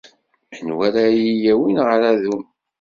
Anwa ara iyi-yawin ɣer Adum?